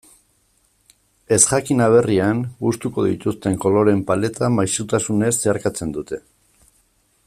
Ezjakin aberrian gustuko dituzten koloreen paleta maisutasunez zeharkatzen dute.